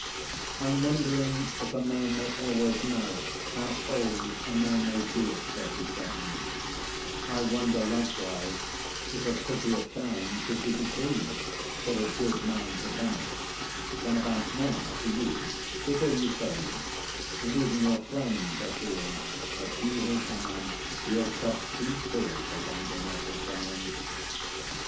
I'm wondering if a man may always know How old a man may be at thirty seven; I wonder likewise if a prettier time Could be decreed for a good man to vanish Than about now for you, before you fade, And even your friends are seeing that you have had Your cup too full for longer mortal triumph.